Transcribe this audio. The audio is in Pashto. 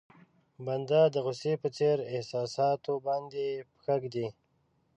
بنده د غوسې په څېر احساساتو باندې پښه کېږدي.